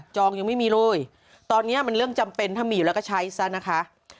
ยังไม่มีเลยตอนนี้มันเรื่องจำเป็นถ้ามีอยู่แล้วก็ใช้ซะนะคะ